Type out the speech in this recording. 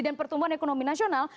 dan pertumbuhan ekonomi nasional